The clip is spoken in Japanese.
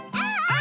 あ！